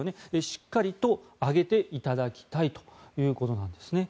しっかりと上げていただきたいということなんですね。